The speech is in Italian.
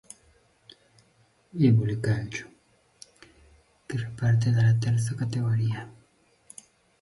Eboli Calcio", che riparte dalla Terza Categoria.